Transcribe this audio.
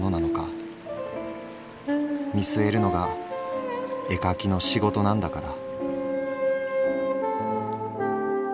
見据えるのが絵描きの仕事なんだから」。